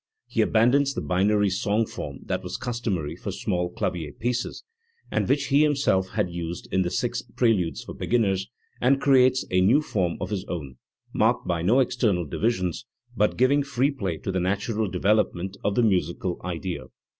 He abandons the binary song form that was customary for small clavier pieces, and which he himself had used in the six preludes for beginners, and creates a new form of his own, marked by no external divisions, but giving free play to the natural development of the musical idea.